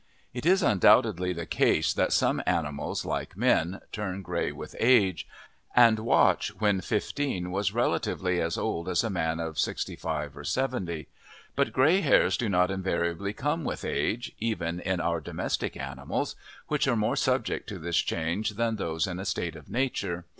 It is undoubtedly the case that some animals, like men, turn grey with age, and Watch when fifteen was relatively as old as a man at sixty five or seventy. But grey hairs do not invariably come with age, even in our domestic animals, which are more subject to this change than those in a state of nature.